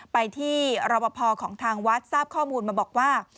ไปที่รอปภของทางวัดทราบข้อมูลมาบอกว่า